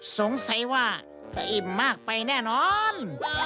สงสัยว่าจะอิ่มมากไปแน่นอน